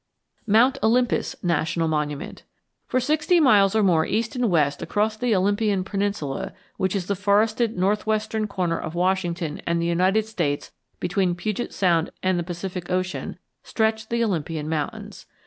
MOUNT OLYMPUS NATIONAL MONUMENT For sixty miles or more east and west across the Olympian Peninsula, which is the forested northwestern corner of Washington and the United States between Puget Sound and the Pacific Ocean, stretch the Olympian Mountains.